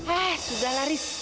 eh sudah haris